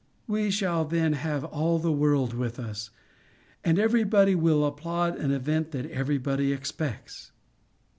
We shall then have all the world with us. And every body will applaud an event that every body expects.